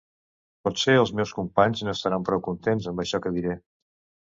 Potser els meus companys no estaran prou contents amb això que diré.